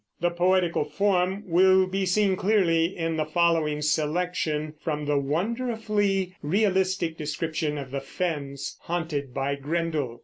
The poetical form will be seen clearly in the following selection from the wonderfully realistic description of the fens haunted by Grendel.